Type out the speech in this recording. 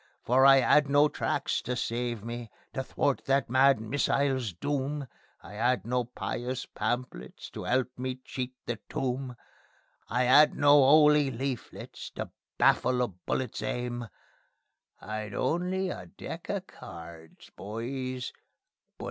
For I 'ad no tracts to save me, to thwart that mad missile's doom; I 'ad no pious pamphlets to 'elp me to cheat the tomb; I 'ad no 'oly leaflets to baffle a bullet's aim; I'd only a deck of cards, boys, but